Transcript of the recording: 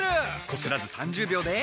こすらず３０秒で。